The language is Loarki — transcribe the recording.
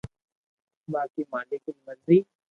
باقي مالڪ ري مرزي